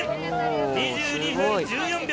２２分１４秒。